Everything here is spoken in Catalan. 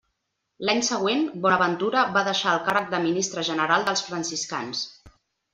L'any següent, Bonaventura va deixar el càrrec de ministre general dels franciscans.